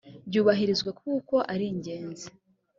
byubahirizwa kuko aringenzi.